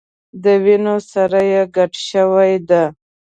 د وینو سره یې ګډه شوې ده.